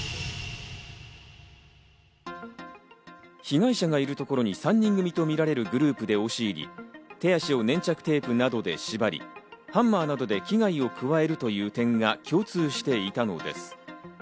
被害者がいるところに３人組とみられるグループで押し入り、手足を粘着テープなどで縛り、ハンマーなどで危害を加えるという点が共通していたのです。